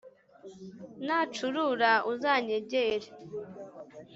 nacurura uzanyegere